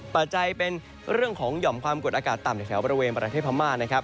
ปัจจัยเป็นเรื่องของหย่อมความกฎอากาศต่ำในแถวบริเวณปราศิภามา